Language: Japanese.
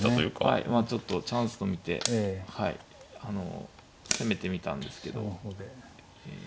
はいまあちょっとチャンスと見て攻めてみたんですけど。